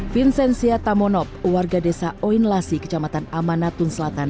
vincent siatamonop warga desa oinlasi kecamatan amanatun selatan